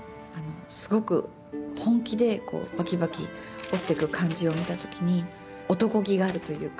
すごく、本気でバキバキ折っていく感じを見た時に、男気があるというか。